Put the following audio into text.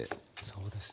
そうです。